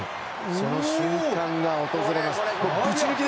その瞬間が訪れます。